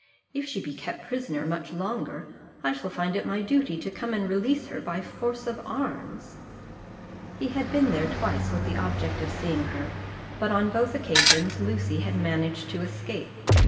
"If she be kept a prisoner much longer, I shall find it my duty to come and release her by force of arms." He had been there twice with the object of seeing her, but on both occasions Lucy had managed to escape.